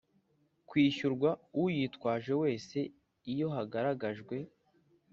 Kwishyurwa Uyitwaje Wese Iyo Hagaragajwe